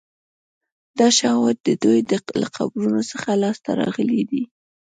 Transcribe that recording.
دا شواهد د دوی له قبرونو څخه لاسته راغلي دي